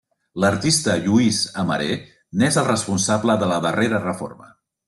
L'artista Lluís Amaré n'és el responsable de la darrera reforma.